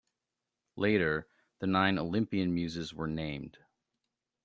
Later, the Nine Olympian Muses were named.